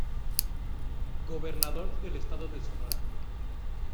Gobernador del Estado de Sonora.